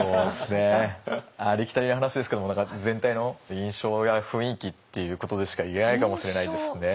ありきたりな話ですけれども全体の印象や雰囲気っていうことでしか言えないかもしれないですね。